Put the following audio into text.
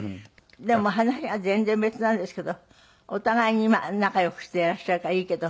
でも話が全然別なんですけどお互いに仲良くしていらっしゃるからいいけど。